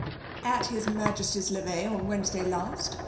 " At his Majesty's levee on Wednesday last.